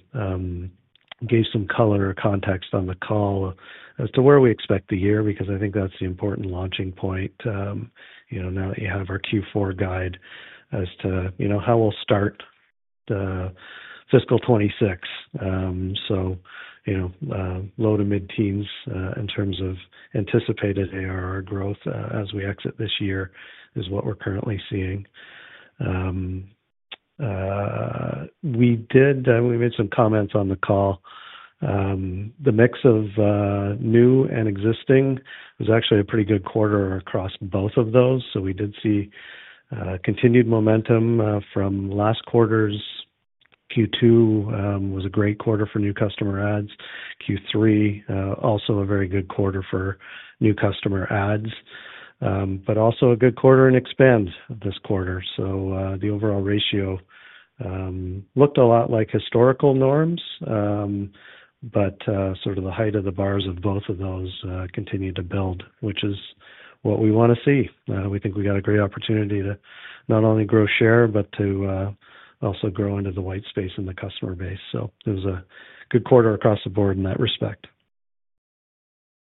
gave some color or context on the call as to where we expect the year because I think that's the important launching point now that you have our Q4 guide as to how we'll start fiscal 2026. Low to mid-teens in terms of anticipated ARR growth as we exit this year is what we're currently seeing. We made some comments on the call. The mix of new and existing was actually a pretty good quarter across both of those. We did see continued momentum from last quarter's. Q2 was a great quarter for new customer adds. Q3, also a very good quarter for new customer adds, but also a good quarter in expansion this quarter. So the overall ratio looked a lot like historical norms, but sort of the height of the bars of both of those continued to build, which is what we want to see. We think we got a great opportunity to not only grow share, but to also grow into the white space in the customer base. So it was a good quarter across the board in that respect.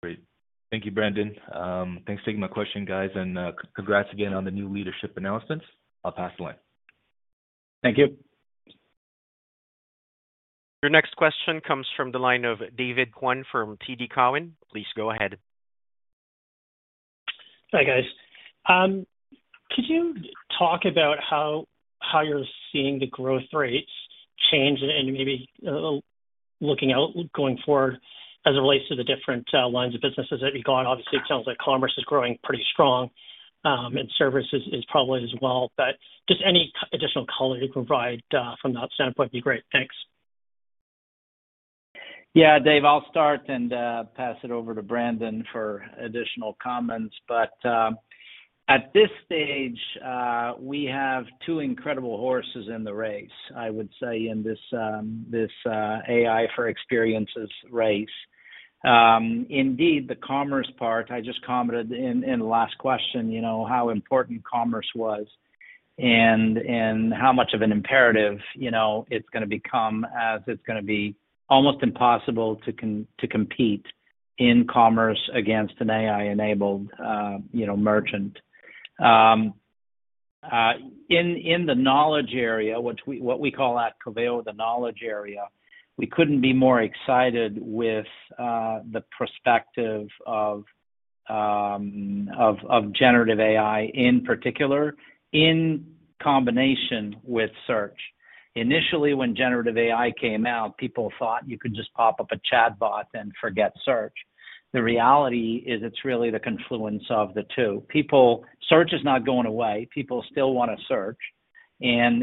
Great. Thank you, Brandon. Thanks for taking my question, guys. And congrats again on the new leadership announcements. I'll pass the line. Thank you. Your next question comes from the line of David Kwan from TD Cowen. Please go ahead. Hi, guys. Could you talk about how you're seeing the growth rates change and maybe looking out going forward as it relates to the different lines of businesses that you've got? Obviously, it sounds like commerce is growing pretty strong, and service is probably as well. But just any additional color you can provide from that standpoint would be great. Thanks. Yeah, Dave, I'll start and pass it over to Brandon for additional comments. But at this stage, we have two incredible horses in the race, I would say, in this AI for experiences race. Indeed, the commerce part, I just commented in the last question how important commerce was and how much of an imperative it's going to become as it's going to be almost impossible to compete in commerce against an AI-enabled merchant. In the knowledge area, what we call at Coveo, the knowledge area, we couldn't be more excited with the perspective of generative AI in particular in combination with search. Initially, when generative AI came out, people thought you could just pop up a chatbot and forget search. The reality is it's really the confluence of the two. Search is not going away. People still want to search. And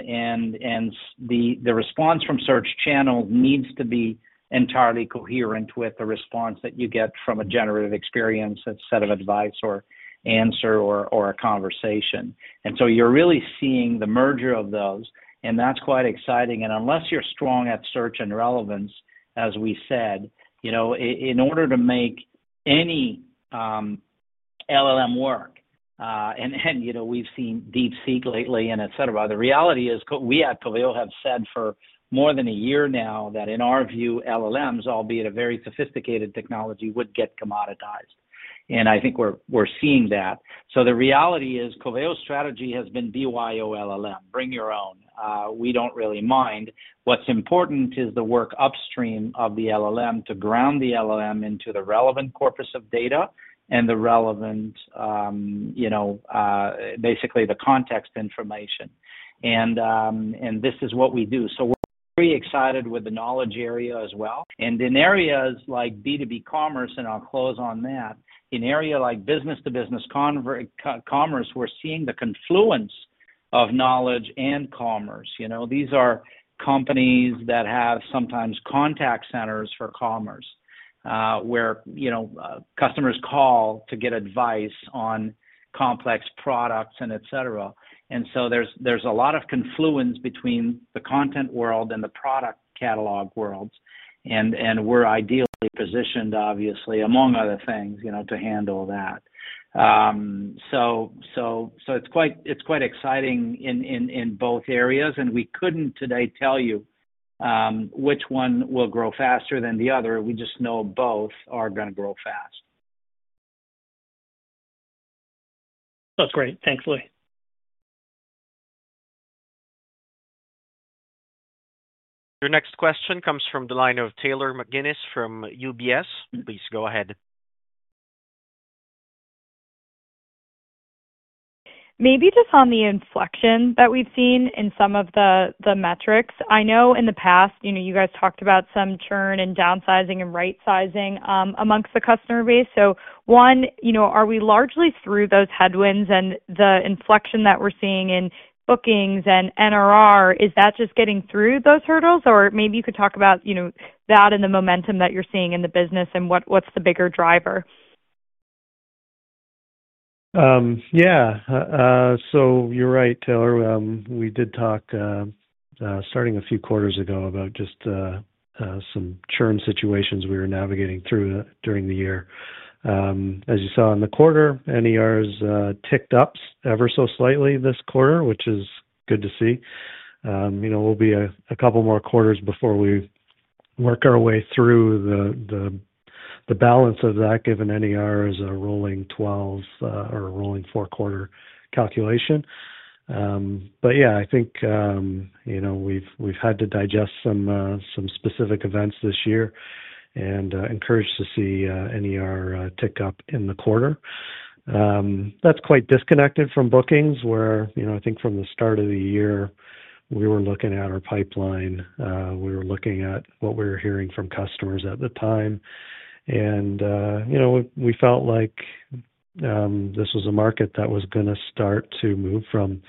the response from search channels needs to be entirely coherent with the response that you get from a generative experience, a set of advice, or answer, or a conversation. And so you're really seeing the merger of those, and that's quite exciting. And unless you're strong at search and relevance, as we said, in order to make any LLM work, and we've seen DeepSeek lately, and etc., the reality is we at Coveo have said for more than a year now that in our view, LLMs, albeit a very sophisticated technology, would get commoditized. I think we're seeing that. The reality is Coveo's strategy has been BYOLLM, bring your own. We don't really mind. What's important is the work upstream of the LLM to ground the LLM into the relevant corpus of data and the relevant, basically, the context information. This is what we do. We're very excited with the knowledge area as well. In areas like B2B commerce, and I'll close on that, in area like business-to-business commerce, we're seeing the confluence of knowledge and commerce. These are companies that have sometimes contact centers for commerce where customers call to get advice on complex products, and etc. There's a lot of confluence between the content world and the product catalog worlds. We're ideally positioned, obviously, among other things, to handle that. It's quite exciting in both areas. We couldn't today tell you which one will grow faster than the other. We just know both are going to grow fast. That's great. Thanks, Louis. Your next question comes from the line of Taylor McGinnis from UBS. Please go ahead. Maybe just on the inflection that we've seen in some of the metrics. I know in the past, you guys talked about some churn and downsizing and right-sizing amongst the customer base. One, are we largely through those headwinds? The inflection that we're seeing in bookings and NER, is that just getting through those hurdles? Or maybe you could talk about that and the momentum that you're seeing in the business and what's the bigger driver? Yeah. You're right, Taylor. We did talk starting a few quarters ago about just some churn situations we were navigating through during the year. As you saw in the quarter, NER ticked up ever so slightly this quarter, which is good to see. We'll be a couple more quarters before we work our way through the balance of that, given NER is a rolling 12 or a rolling four-quarter calculation. But yeah, I think we've had to digest some specific events this year and encouraged to see NER tick up in the quarter. That's quite disconnected from bookings where I think from the start of the year, we were looking at our pipeline. We were looking at what we were hearing from customers at the time, and we felt like this was a market that was going to start to move from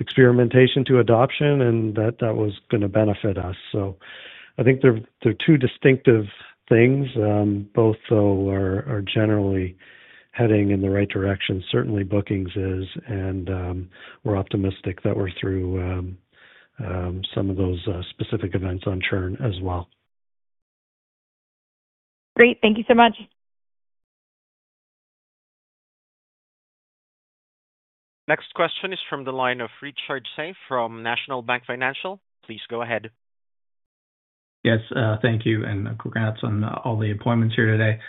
experimentation to adoption and that that was going to benefit us. So I think there are two distinctive things. Both though are generally heading in the right direction. Certainly, bookings is, and we're optimistic that we're through some of those specific events on churn as well. Great. Thank you so much. Next question is from the line of Richard Tse from National Bank Financial. Please go ahead. Yes. Thank you. And congrats on all the appointments here today.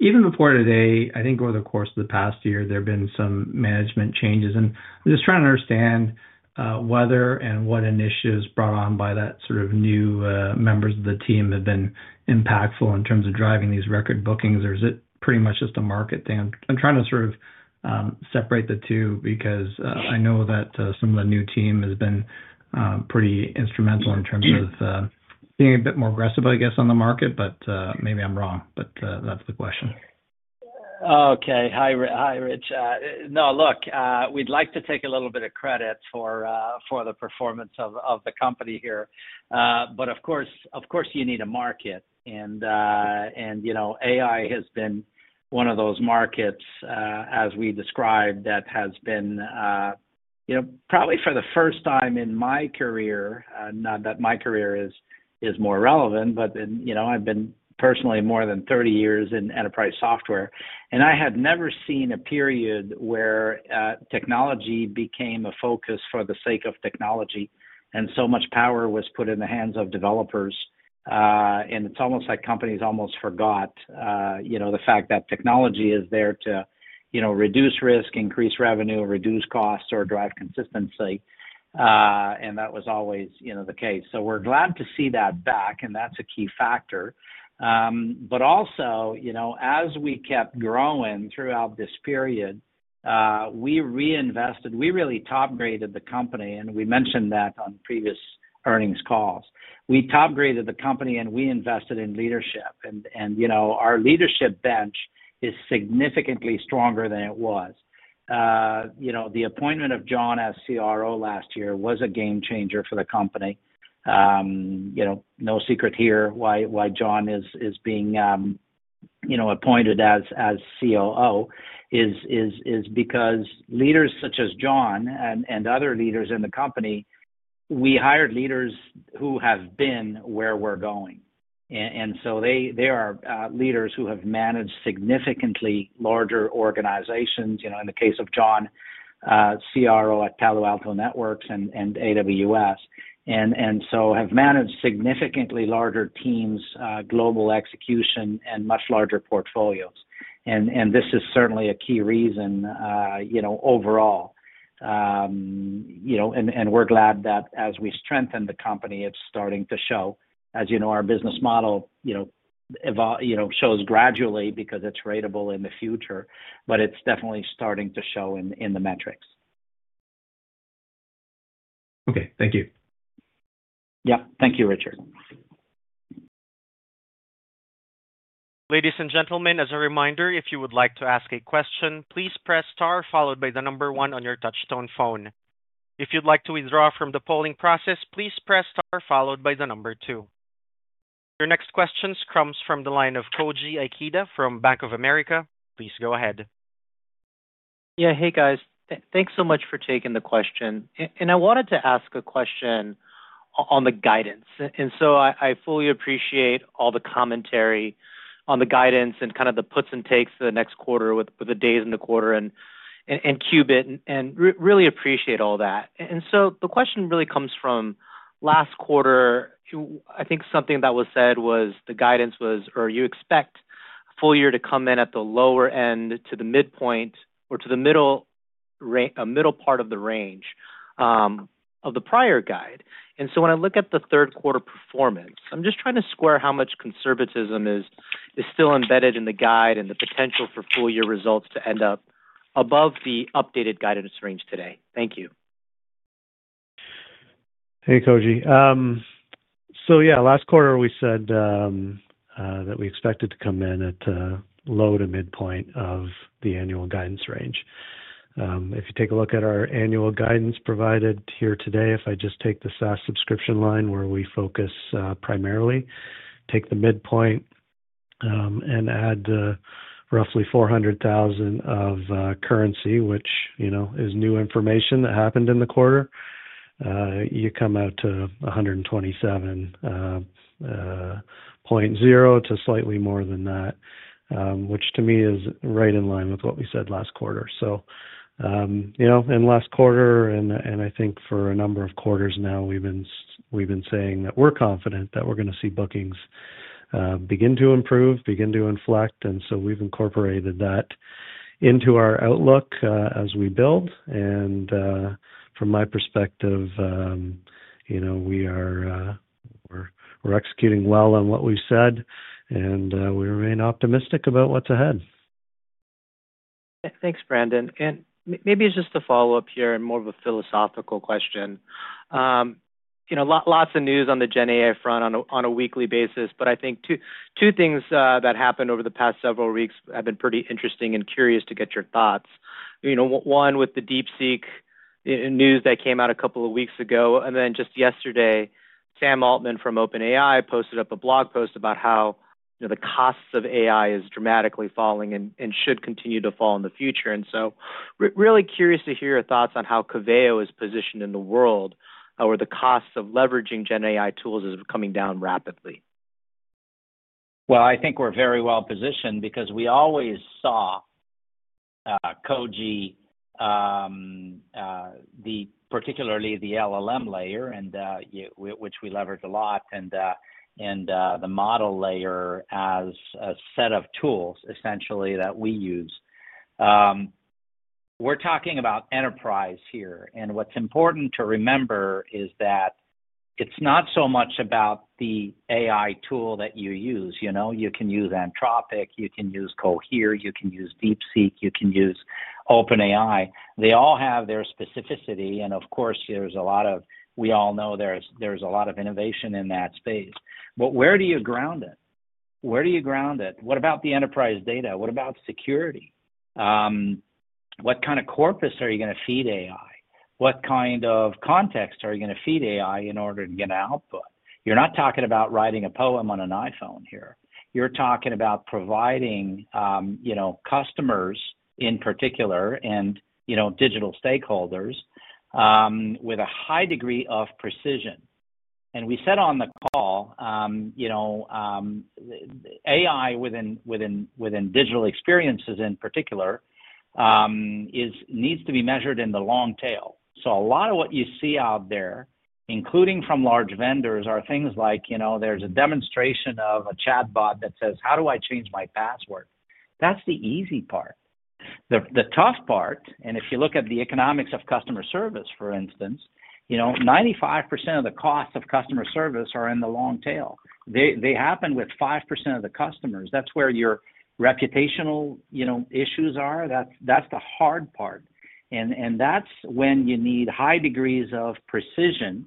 Even before today, I think over the course of the past year, there have been some management changes. And I'm just trying to understand whether and what initiatives brought on by that sort of new members of the team have been impactful in terms of driving these record bookings, or is it pretty much just a market thing? I'm trying to sort of separate the two because I know that some of the new team has been pretty instrumental in terms of being a bit more aggressive, I guess, on the market, but maybe I'm wrong. But that's the question. Okay. Hi, Rich. No, look, we'd like to take a little bit of credit for the performance of the company here. But of course, you need a market. And AI has been one of those markets, as we described, that has been probably for the first time in my career, not that my career is more relevant, but I've been personally more than 30 years in enterprise software. And I had never seen a period where technology became a focus for the sake of technology and so much power was put in the hands of developers. And it's almost like companies almost forgot the fact that technology is there to reduce risk, increase revenue, reduce costs, or drive consistency. And that was always the case. So we're glad to see that back, and that's a key factor. But also, as we kept growing throughout this period, we reinvested. We really top-graded the company, and we mentioned that on previous earnings calls. We top-graded the company, and we invested in leadership. And our leadership bench is significantly stronger than it was. The appointment of John as CRO last year was a game changer for the company. No secret here why John is being appointed as COO. It is because leaders such as John and other leaders in the company, we hired leaders who have been where we're going. And so they are leaders who have managed significantly larger organizations, in the case of John, CRO at Palo Alto Networks and AWS, and so have managed significantly larger teams, global execution, and much larger portfolios. And this is certainly a key reason overall. And we're glad that as we strengthen the company, it's starting to show. As you know, our business model shows gradually because it's ratable in the future, but it's definitely starting to show in the metrics. Okay. Thank you. Yep. Thank you, Richard. Ladies and gentlemen, as a reminder, if you would like to ask a question, please press star followed by the number one on your touch-tone phone. If you'd like to withdraw from the polling process, please press star followed by the number two. Your next question comes from the line of Koji Ikeda from Bank of America. Please go ahead. Yeah. Hey, guys. Thanks so much for taking the question. And I wanted to ask a question on the guidance. And so I fully appreciate all the commentary on the guidance and kind of the puts and takes the next quarter with the days in the quarter and Qubit and really appreciate all that. And so the question really comes from last quarter. I think something that was said was the guidance was, or you expect full year to come in at the lower end to the midpoint or to the middle part of the range of the prior guide. And so when I look at the third quarter performance, I'm just trying to square how much conservatism is still embedded in the guide and the potential for full-year results to end up above the updated guidance range today. Thank you. Hey, Koji. So yeah, last quarter, we said that we expected to come in at low-to-midpoint of the annual guidance range. If you take a look at our annual guidance provided here today, if I just take the SaaS subscription line where we focus primarily, take the midpoint and add roughly $400,000 of currency, which is new information that happened in the quarter, you come out to $127.0 to slightly more than that, which to me is right in line with what we said last quarter. In last quarter, and I think for a number of quarters now, we've been saying that we're confident that we're going to see bookings begin to improve, begin to inflect. And so we've incorporated that into our outlook as we build. And from my perspective, we are executing well on what we've said, and we remain optimistic about what's ahead. Thanks, Brandon. And maybe it's just a follow-up here and more of a philosophical question. Lots of news on the GenAI front on a weekly basis, but I think two things that happened over the past several weeks have been pretty interesting and curious to get your thoughts. One, with the DeepSeek news that came out a couple of weeks ago. Then just yesterday, Sam Altman from OpenAI posted up a blog post about how the costs of AI is dramatically falling and should continue to fall in the future. So really curious to hear your thoughts on how Coveo is positioned in the world where the costs of leveraging GenAI tools is coming down rapidly? I think we're very well positioned because we always saw Koji, particularly the LLM layer, which we leveraged a lot, and the model layer as a set of tools, essentially, that we use. We're talking about enterprise here. And what's important to remember is that it's not so much about the AI tool that you use. You can use Anthropic, you can use Cohere, you can use DeepSeek, you can use OpenAI. They all have their specificity. Of course, we all know there's a lot of innovation in that space. But where do you ground it? Where do you ground it? What about the enterprise data? What about security? What kind of corpus are you going to feed AI? What kind of context are you going to feed AI in order to get an output? You're not talking about writing a poem on an iPhone here. You're talking about providing customers in particular and digital stakeholders with a high degree of precision. We said on the call, AI within digital experiences in particular needs to be measured in the long tail. A lot of what you see out there, including from large vendors, are things like there's a demonstration of a chatbot that says, "How do I change my password?" That's the easy part. The tough part, and if you look at the economics of customer service, for instance, 95% of the costs of customer service are in the long tail. They happen with 5% of the customers. That's where your reputational issues are. That's the hard part. And that's when you need high degrees of precision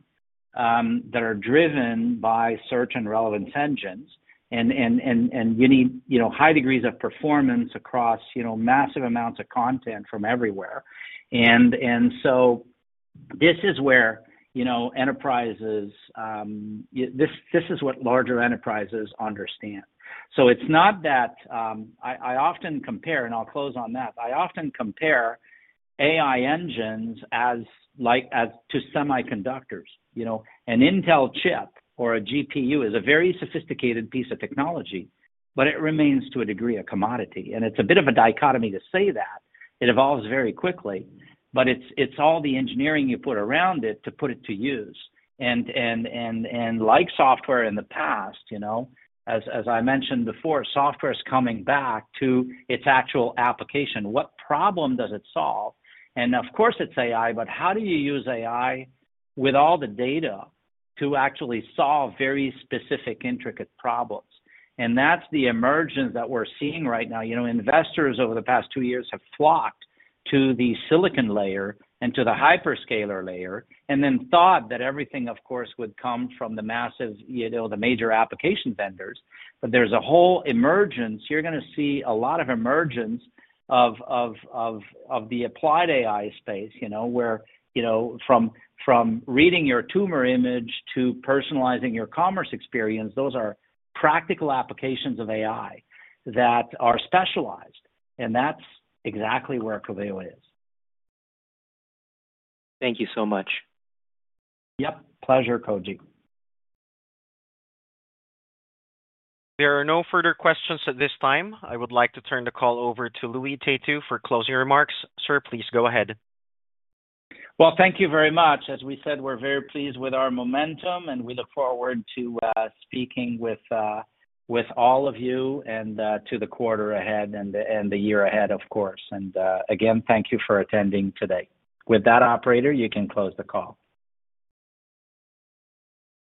that are driven by search and relevance engines. And you need high degrees of performance across massive amounts of content from everywhere. And so this is where enterprises, this is what larger enterprises understand. So it's not that I often compare, and I'll close on that. I often compare AI engines to semiconductors. An Intel chip or a GPU is a very sophisticated piece of technology, but it remains, to a degree, a commodity. And it's a bit of a dichotomy to say that. It evolves very quickly, but it's all the engineering you put around it to put it to use. And like software in the past, as I mentioned before, software is coming back to its actual application. What problem does it solve? And of course, it's AI, but how do you use AI with all the data to actually solve very specific intricate problems? And that's the emergence that we're seeing right now. Investors over the past two years have flocked to the silicon layer and to the hyperscaler layer and then thought that everything, of course, would come from the massive, the major application vendors. But there's a whole emergence. You're going to see a lot of emergence of the applied AI space where from reading your tumor image to personalizing your commerce experience, those are practical applications of AI that are specialized. And that's exactly where Coveo is. Thank you so much. Yep. Pleasure, Koji. There are no further questions at this time. I would like to turn the call over to Louis Têtu for closing remarks. Sir, please go ahead. Well, thank you very much. As we said, we're very pleased with our momentum, and we look forward to speaking with all of you and to the quarter ahead and the year ahead, of course. And again, thank you for attending today. With that, operator, you can close the call.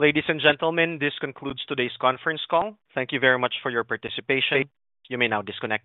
Ladies and gentlemen, this concludes today's conference call. Thank you very much for your participation. You may now disconnect.